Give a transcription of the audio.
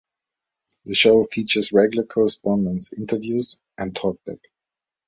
The show features regular correspondents, interviews and talkback.